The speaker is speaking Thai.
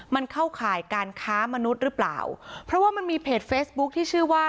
มันเข้าข่ายการค้ามนุษย์หรือเปล่าเพราะว่ามันมีเพจเฟซบุ๊คที่ชื่อว่า